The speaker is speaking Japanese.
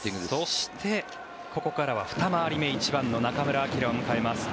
そしてここからはふた回り目１番の中村晃を迎えます。